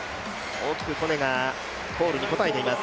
大きくコネがコールに応えています。